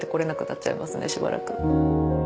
しばらく。